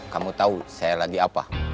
kamu tahu saya lagi apa